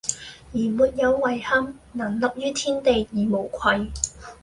再沒有遺憾，能立於天地而無愧！